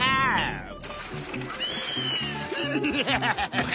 ハハハハ！